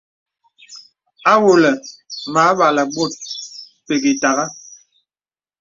Awɔ̄lə̀ mə âbalə̀ bòt pək ìtagha.